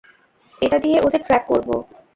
এটা দিয়ে ওদের ট্র্যাক করব।